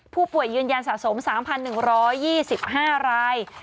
ผู้ป่วยยืนยันสะสม๓๑๒๕ราย